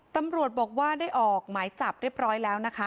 ตำรวจบอกว่าได้ออกหมายจับเรียบร้อยแล้วนะคะ